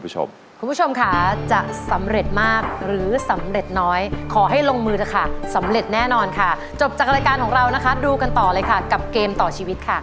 จบจากรายการของเรานะครับดูกันต่อเลยครับกับเกมต่อชีวิตค่ะ